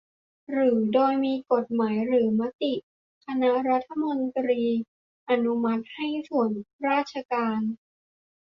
หรือโดยมีกฎหมายหรือมติคณะรัฐมนตรีอนุมัติให้ส่วนราชการ